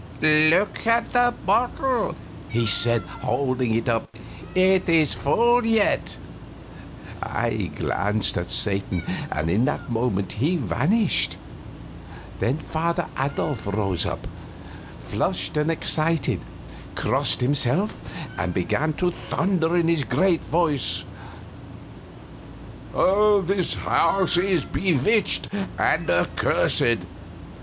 "Look at the bottle," he said, holding it up; "it is full yet!" I glanced at Satan, and in that moment he vanished. Then Father Adolf rose up, flushed and excited, crossed himself, and began to thunder in his great voice, "This house is bewitched and accursed!"